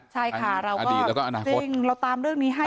ใช่ค่ะจริงเราตามเรื่องนี้ให้